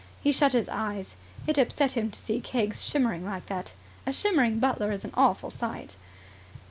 He shut his eyes. It upset him to see Keggs shimmering like that. A shimmering butler is an awful sight.